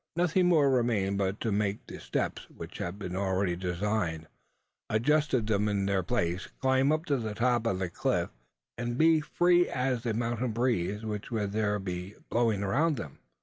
Nothing more remained but to make the steps which had been already designed adjust them in their places climb up to the top of the cliff and be free as the mountain breeze, which would there be blowing around them!